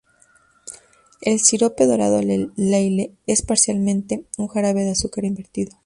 El sirope dorado de Lyle es parcialmente un jarabe de azúcar invertido.